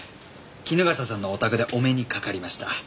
衣笠さんのお宅でお目にかかりました。